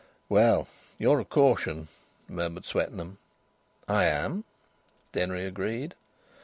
"Well, you're a caution!" murmured Swetnam. "I am," Denry agreed.